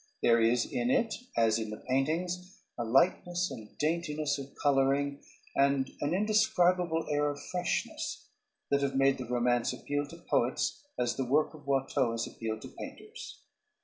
There is in it, as in the paintings, a lightness and daintiness of coloring, and an indescribable air of freshness that have made the romance appeal to poets as the work of Watteau has appealed to painters.